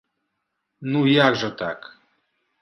Ну як жа так?